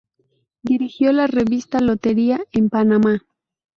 Dirigió la Revista "Lotería" en Panamá.